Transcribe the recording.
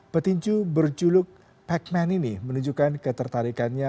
petinju berjuluk pac man ini menunjukkan ketertarikannya